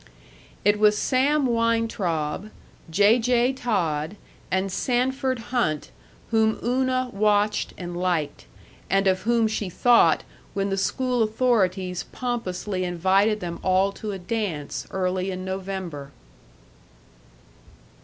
It was Sam Weintraub, J. J. Todd, and Sanford Hunt whom Una watched and liked, and of whom she thought when the school authorities pompously invited them all to a dance early in November.